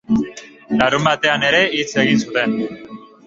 Larunbatean ere hitz egin zuten.